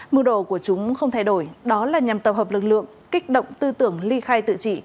mưu đồ của chúng không thay đổi đó là nhằm tập hợp lực lượng kích động tư tưởng ly khai tự trị